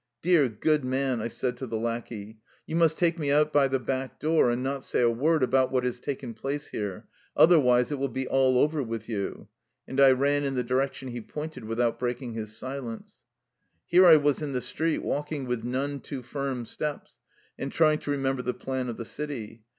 " Dear, good man," I said to the lackey, " you must take me out by the back door, and not say a word about what has taken place here, other wise it will be all over with you." And I ran in the direction he pointed without breaking his silence. Here I was in the street, walking with none too firm steps and trying to remember the plan of the city.